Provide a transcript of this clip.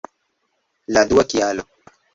La dua kialo!